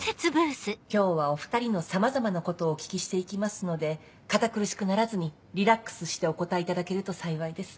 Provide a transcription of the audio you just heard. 今日はお２人のさまざまなことをお聞きしていきますので堅苦しくならずにリラックスしてお答えいただけると幸いです。